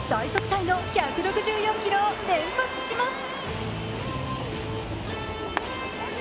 タイの１６４キロを連発します。